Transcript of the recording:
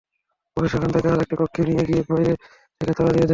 পরে সেখান থেকে আরেকটি কক্ষে নিয়ে গিয়ে বাইরে থেকে তালা দিয়ে দেন।